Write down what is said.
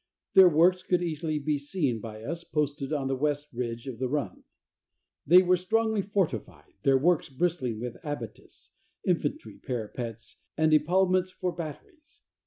Their works could easily be seen by us posted on the west ridge of the run. They were strongly fortified, their works bristling with abatis, infantry parapets and epaulements for batteries.